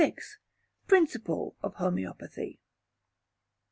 Principle of Homoeopathy.